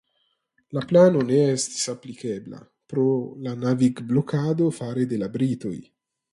La plano ne estis aplikebla pro la navigblokado fare de la britoj.